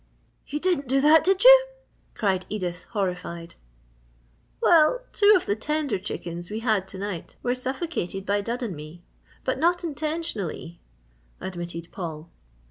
"You didn't do that, did you?" cried Edith, horrified. "Well, two of the tender chickens we had to night were suffocated by Dud and me, but not intentionally," admitted Paul.